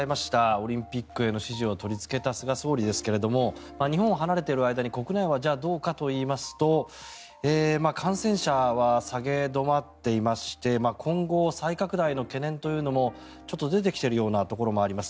オリンピックへの支持を取りつけた菅総理ですが日本を離れている間に国内はどうかといいますと感染者は下げ止まっていまして今後、再拡大の懸念というのもちょっと出てきているようなところもあります。